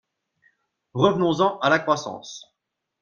Revenons-en à la croissance.